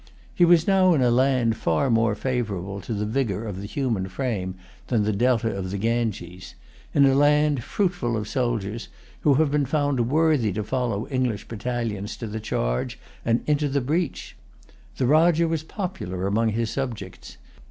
He was now in a land far more favorable to the vigor of the human frame than the Delta of the Ganges; in a land fruitful of soldiers, who have been found worthy to follow English battalions to the charge and into the breach. The Rajah was popular among his subjects.